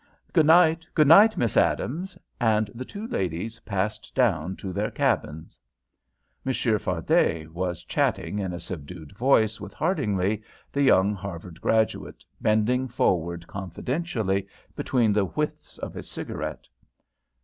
"Good night! Good night, Miss Adams!" and the two ladies passed down to their cabins. Monsieur Fardet was chatting, in a subdued voice, with Headingly, the young Harvard graduate, bending forward confidentially between the whiffs of his cigarette.